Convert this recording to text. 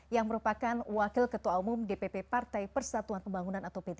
yang merupakan wakil ketua umum dpp partai persatuan pembangunan atau p tiga